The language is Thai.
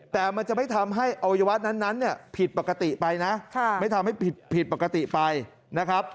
แต่มันจะไม่ทำให้อวัยวะนั้นผิดปกติไปนะ